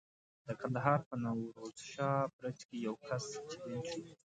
د کندهار په نوروز شاه برج کې یو کس چلنج شو.